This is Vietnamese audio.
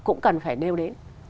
cũng cần phải đeo đến